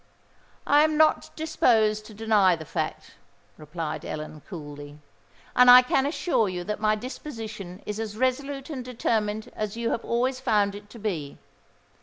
"I am not disposed to deny the fact," replied Ellen, coolly; "and I can assure you that my disposition is as resolute and determined as you have always found it to be.